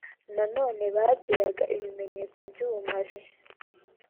nanone bagiraga ibimenyetso by’ubumaji